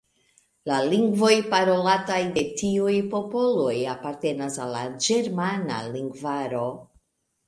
La lingvoj parolataj de tiuj popoloj apartenas al la ĝermana lingvaro.